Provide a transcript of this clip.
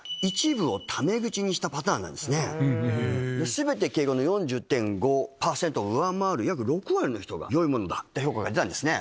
全て敬語の４０．５％を上回る約６割の人がよいものだって評価が出たんですね。